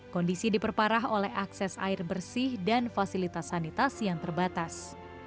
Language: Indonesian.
kondisi diperparah oleh akses air bersih dan fasilitas sanitasi yang terbatas